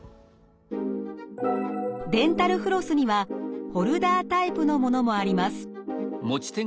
デンタルフロスにはホルダータイプのものもあります。